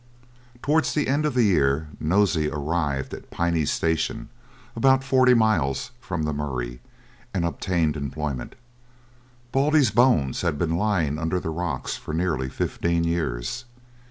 Towards the end of the year Nosey arrived at Piney Station, about forty miles from the Murray, and obtained employment. Baldy's bones had been lying under the rocks for nearly fifteen years.